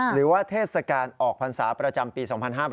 หรือว่าเทศกาลออกภาษาประจำปี๒๕๕๙